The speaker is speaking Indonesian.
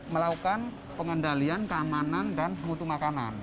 melakukan pengendalian keamanan dan mutu makanan